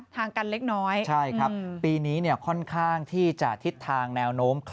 ทางกันเล็กน้อยใช่ครับปีนี้เนี่ยค่อนข้างที่จะทิศทางแนวโน้ม